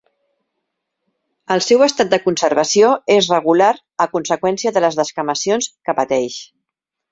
El seu estat de conservació és regular a conseqüència de les descamacions que pateix.